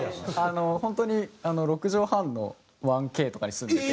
本当に６畳半の１Ｋとかに住んでて。